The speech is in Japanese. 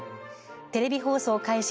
テレビ放送開始